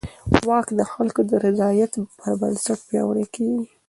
واک د خلکو د رضایت پر بنسټ پیاوړی کېږي.